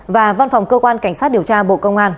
và văn phòng cơ quan cảnh sát điều tra bộ công an